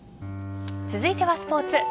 続いてはスポーツ。